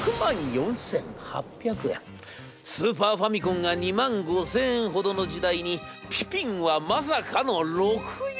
スーパーファミコンが２万５，０００円ほどの時代にピピンはまさかのロクヨンパ−！